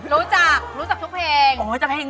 รู้จักทุกเพลง